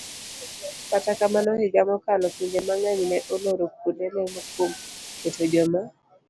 Kata kamano, higa mokalo, pinje mang'eny ne oloro kuonde lemo kuom keto joma